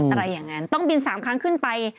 อะไรอย่างนั้นต้องบิน๓ครั้งขึ้นไป